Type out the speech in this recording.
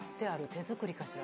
手作りかしら？